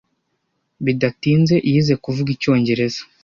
Bidatinze, yize kuvuga icyongereza.